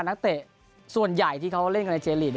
นักเตะส่วนใหญ่ที่เขาเล่นกันในเจลีก